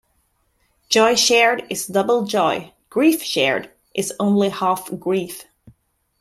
Joy shared is double joy; grief shared is only half grief.